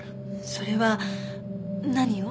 それは何を？